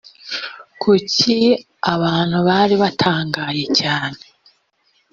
kuki abantu bari batangaye cyane